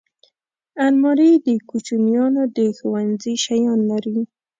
الماري د کوچنیانو د ښوونځي شیان لري